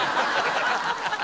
ハハハハ！